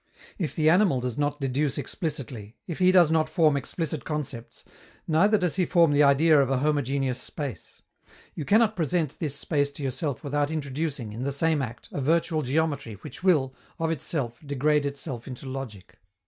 If the animal does not deduce explicitly, if he does not form explicit concepts, neither does he form the idea of a homogeneous space. You cannot present this space to yourself without introducing, in the same act, a virtual geometry which will, of itself, degrade itself into logic.